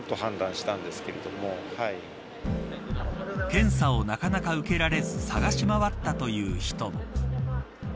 検査をなかなか受けられず探し回ったという人も。